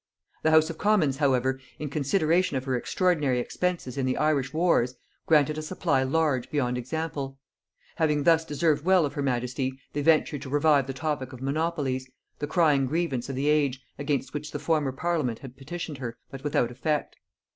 The house of commons however, in consideration of her extraordinary expenses in the Irish wars, granted a supply large beyond example. Having thus deserved well of her majesty, they ventured to revive the topic of monopolies, the crying grievance of the age, against which the former parliament had petitioned her, but without effect.